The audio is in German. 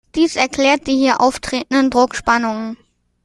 Dies erklärt die hier auftretenden Druckspannungen.